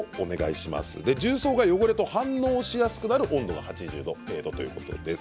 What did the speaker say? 重曹は汚れと反応しやすくなる温度が８０度程度ということです。